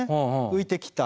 浮いてきた。